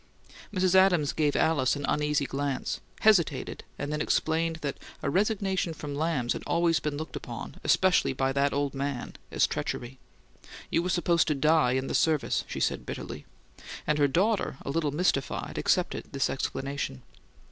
Mrs. Adams gave Alice an uneasy glance, hesitated, and then explained that a resignation from Lamb's had always been looked upon, especially by "that old man," as treachery. You were supposed to die in the service, she said bitterly, and her daughter, a little mystified, accepted this explanation.